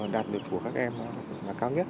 đạt được của các em là cao nhất